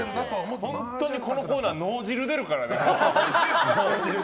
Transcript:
本当にこのコーナー脳汁出るからね。